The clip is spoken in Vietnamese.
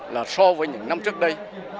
là so với những năm trước đây